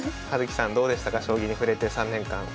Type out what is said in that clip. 葉月さんどうでしたか将棋に触れて３年間。